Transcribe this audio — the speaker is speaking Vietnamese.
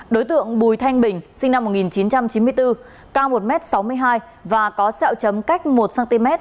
đối tượng bùi thanh bình sinh năm một nghìn chín trăm chín mươi bốn cao một m sáu mươi hai và có sẹo chấm cách một cm